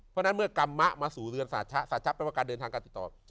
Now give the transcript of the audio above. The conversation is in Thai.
เพราะฉะนั้นเมื่อกรรมมะมาสู่เรือนสาชะศาชะแปลว่าการเดินทางการติดต่อ